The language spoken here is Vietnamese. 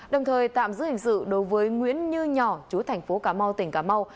đồng thời tạm giữ hình sự đối với nguyễn như nhỏ chú thành phố cà mau tỉnh cà mau